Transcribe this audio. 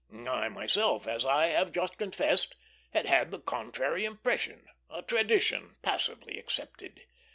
I myself, as I have just confessed, had had the contrary impression a tradition passively accepted.